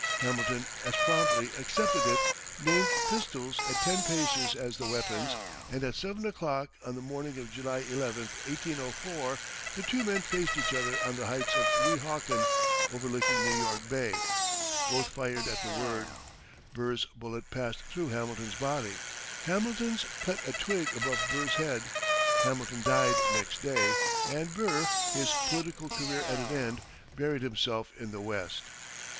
Hamilton as promptly accepted it, named pistols at ten paces as the weapons, and at seven o'clock on the morning of July 11, 1804, the two men faced each other on the heights of Weehawken, overlooking New York bay. Both fired at the word; Burr's bullet passed through Hamilton's body; Hamilton's cut a twig above Burr's head. Hamilton died next day, and Burr, his political career at an end, buried himself in the West.